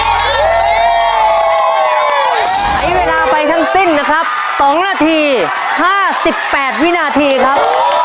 ใช้เวลาไปทั้งสิ้นนะครับ๒นาที๕๘วินาทีครับ